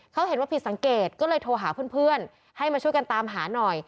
เขาเห็นว่าผิดสังเกตก็เลยโทรหาเพื่อนให้มาช่วยกันตามหาหน่อย